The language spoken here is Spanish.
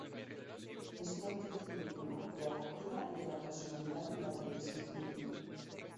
Es una actriz filipina, de acogida y de la personalidad en la televisión filipina.